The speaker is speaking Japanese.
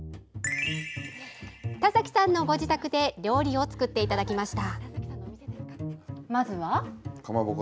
田崎さんのご自宅で料理を作っていただきました。